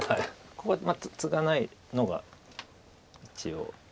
ここでツガないのが一応。